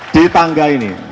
di tangga ini